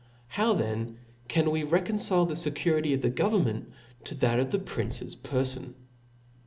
. How then can wc reconcile Cijap.*,4. the fccurity of the government, to that of the princess perfon